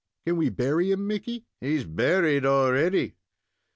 "Can't we bury him, Mickey?" "He's buried already."